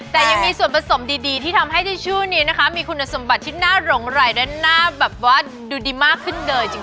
แต่ยังมีส่วนผสมดีที่ทำให้ทิชชู่นี้นะคะมีคุณสมบัติที่น่าหลงไหลด้านหน้าแบบว่าดูดีมากขึ้นเลยจริง